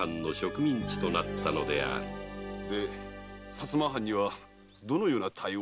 薩摩藩にはどのような対応を？